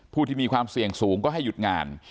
ผู้ที่มีความเสี่ยงสูงก็ให้หยุดงาน